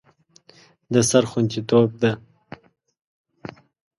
د سر خوندیتوب ده.